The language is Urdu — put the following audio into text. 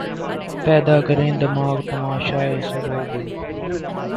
پیدا کریں دماغ تماشائے سَرو و گل